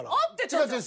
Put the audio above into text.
違う違う。